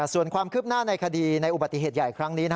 ส่วนความคืบหน้าในคดีในอุบัติเหตุใหญ่ครั้งนี้